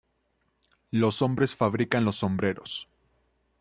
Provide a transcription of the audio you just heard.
Los hombres fabrican los sombreros.